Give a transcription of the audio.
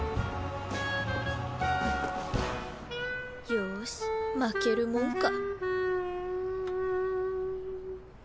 よし負けるもんか。